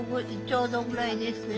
ちょうどぐらいですか。